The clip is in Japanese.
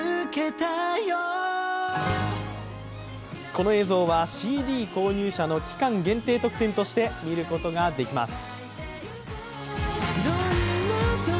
この映像はＣＤ購入者の期間限定特典として見ることができます。